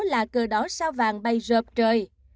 là cờ đỏ sao vàng bay rợp trời